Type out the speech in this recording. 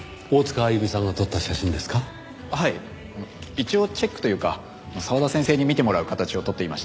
一応チェックというか澤田先生に見てもらう形をとっていまして。